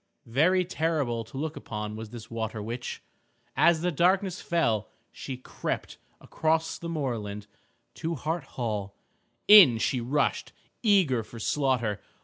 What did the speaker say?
Very terrible to look upon was this water witch. As the darkness fell she crept across the moorland to Hart Hall. In she rushed eager for slaughter.